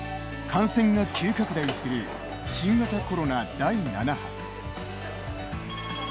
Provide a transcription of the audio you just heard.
感染が急拡大する新型コロナ第７波。